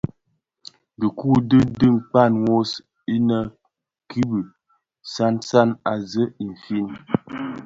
Dhiku u di kpaň wos, inne kibi sansan a zi infin,